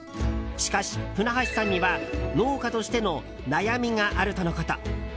しかし、船橋さんには農家としての悩みがあるとのこと。